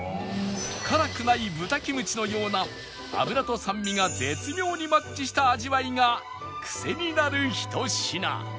辛くない豚キムチのような脂と酸味が絶妙にマッチした味わいがクセになるひと品